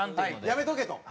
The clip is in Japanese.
やめとけと。